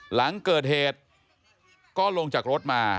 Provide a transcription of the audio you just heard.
หลังเกิดเหตุก็ลงจากรถมา